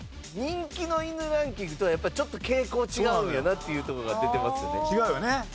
人気の犬ランキングとはやっぱりちょっと傾向違うんやなっていうとこが出てますよね。